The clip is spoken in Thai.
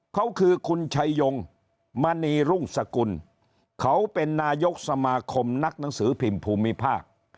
เขาคือคุณชัยยงมณีรุ่งสกุลเขาเป็นนายกสมาคมนักหนังสือพิมพ์ภูมิภาค